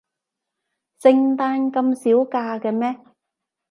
聖誕咁少假嘅咩？